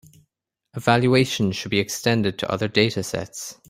Evaluation should be extended to other datasets.